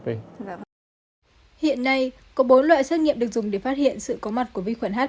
hiện nay có bốn loại xét nghiệm được dùng để phát hiện sự có mặt của vi khuẩn h